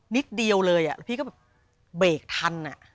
นิดเดียวเลยอะพี่ก็เบรกทันอะ